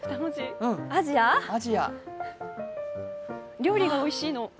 料理がおいしいの。